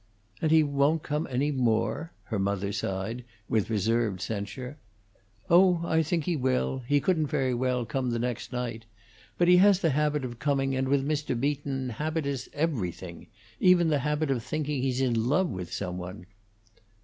"And he won't come any more?" her mother sighed, with reserved censure. "Oh, I think he will. He couldn't very well come the next night. But he has the habit of coming, and with Mr. Beaton habit is everything even the habit of thinking he's in love with some one."